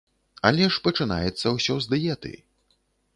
Але ж пачынаецца ўсё з дыеты.